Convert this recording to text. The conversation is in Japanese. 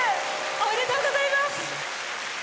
ありがとうございます。